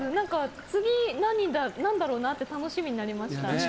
次なんだろうなって楽しみになりました。